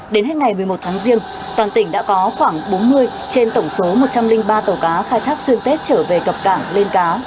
đến hết ngày một mươi một tháng riêng toàn tỉnh đã có khoảng bốn mươi trên tổng số một trăm linh ba tàu cá khai thác xuyên tết trở về cập cảng lên cá